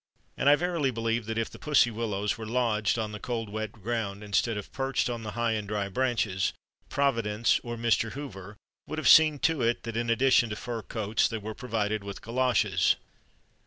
And I verily believe that if the Pussy Willows were lodged on the cold wet ground instead of perched on the high and dry branches, Providence (or Mr. Hoover) would have seen to it that in addition to fur coats they were provided with galoshes.